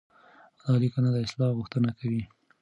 دا ليکنه د اصلاح غوښتنه کوي.